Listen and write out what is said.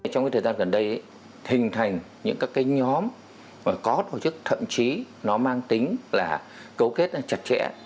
trong thời gian gần đây hình thành những các nhóm có tổ chức thậm chí nó mang tính là cấu kết chặt chẽ